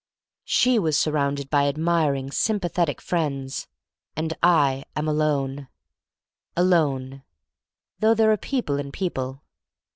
She was surrounded by admiring, sympathetic friends, and I am alone alone, though there are people and people.